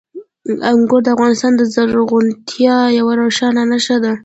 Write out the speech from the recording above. انګور د افغانستان د زرغونتیا یوه روښانه نښه ده.